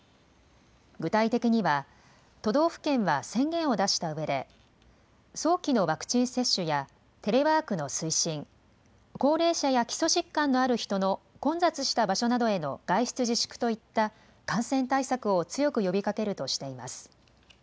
具体的には、都道府県は宣言を出したうえで、早期のワクチン接種やテレワークの推進、高齢者や基礎疾患のある人の混雑した場所などへの外出自粛といった感染対策を強く呼びかけるとしています。